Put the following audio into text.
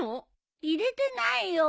入れてないよ。